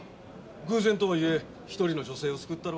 偶然とはいえ１人の女性を救ったろ？